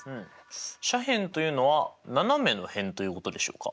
斜辺というのは斜めの辺ということでしょうか？